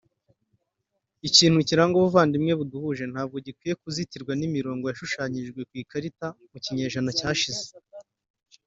Ikintu kiranga ubuvandimwe buduhuje ntabwo gikwiye kuzitirwa n’imirongo yashushanyijwe ku ikarita mu kinyejana cyashize